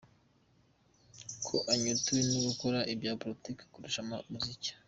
ko anyotewe no gukora ibya politiki kurusha muzika.